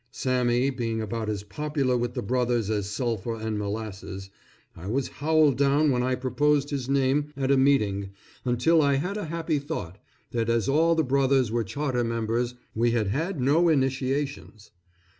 Sammy being about as popular with the Brothers as sulphur and molasses, I was howled down when I proposed his name at a meeting, until I had a happy thought, that as all the Brothers were charter members, we had had no initiations.